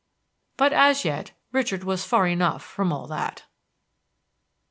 But as yet Richard was far enough from all that.